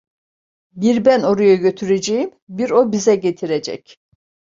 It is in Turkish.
Bir ben oraya götüreceğim, bir o bize getirecek.